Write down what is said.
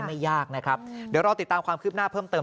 ไม่ยากนะครับเดี๋ยวรอติดตามความคืบหน้าเพิ่มเติม